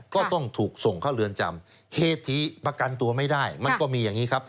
ก็ต้องถูกส่งเข้าเรือนจำเหตุที่ประกันตัวไม่ได้มันก็มีอย่างนี้ครับ